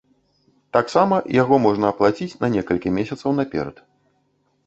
Таксама яго можна аплаціць на некалькі месяцаў наперад.